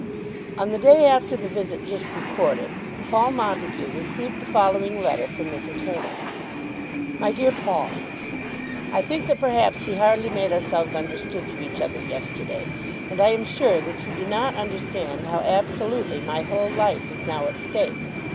On the day after the visit just recorded, Paul Montague received the following letter from Mrs. Hurtle: MY DEAR PAUL, I think that perhaps we hardly made ourselves understood to each other yesterday, and I am sure that you do not understand how absolutely my whole life is now at stake.